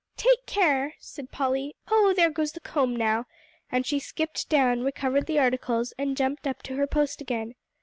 "Take care," said Polly, "oh, there goes the comb now," and she skipped down, recovered the articles, and jumped up to her post again.